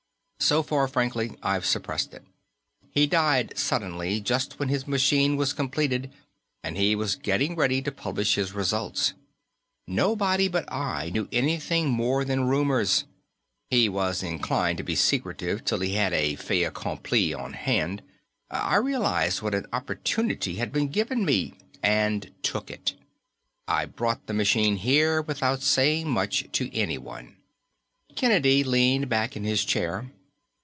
So far, frankly, I've suppressed it. He died suddenly, just when his machine was completed and he was getting ready to publish his results. Nobody but I knew anything more than rumors; he was inclined to be secretive till he had a fait accompli on hand. I realized what an opportunity had been given me, and took it; I brought the machine here without saying much to anyone." Kennedy leaned back in his chair.